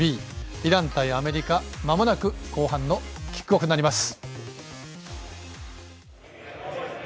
イラン対アメリカまもなく後半のキックオフになります。